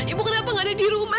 ibu kenapa nggak ada di rumah